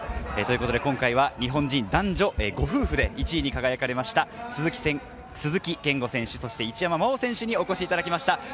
今回は日本人男女、ご夫婦で１位に輝かれました、鈴木健吾選手、そして一山麻緒選手にお越しいただきました。